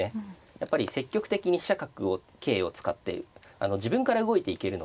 やっぱり積極的に飛車角桂を使って自分から動いていけるので。